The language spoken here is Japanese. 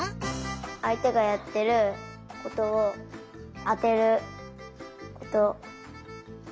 あいてがやってることをあてることがたのしかった。